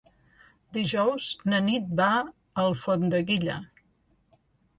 Dijous na Nit va a Alfondeguilla.